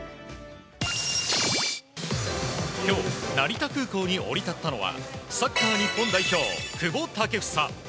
成田空港に降り立ったのはサッカー日本代表、久保建英。